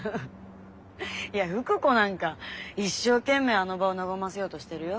いや福子なんか一生懸命あの場を和ませようとしてるよ。